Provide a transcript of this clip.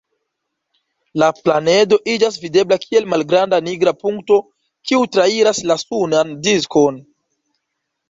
La planedo iĝas videbla kiel malgranda nigra punkto, kiu trairas la sunan diskon.